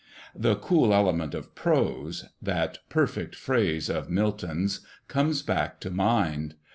"The cool element of prose," that perfect phrase of Milton's, comes back to mind.